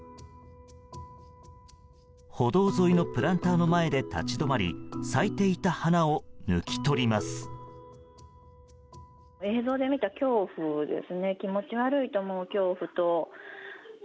歩道沿いのプランターの前で立ち止まり咲いていた花を抜き取ります。